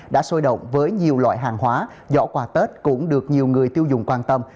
đã sôi động với nhiều loại hàng hóa giỏ quà tết cũng được nhiều người tiêu dùng quan tâm